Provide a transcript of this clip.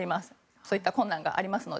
そういった困難がありますので。